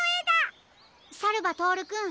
さるばとおるくん